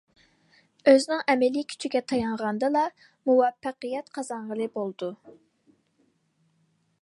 ئۆزىنىڭ ئەمەلىي كۈچىگە تايانغاندىلا، مۇۋەپپەقىيەت قازانغىلى بولىدۇ.